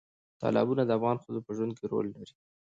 تالابونه د افغان ښځو په ژوند کې رول لري.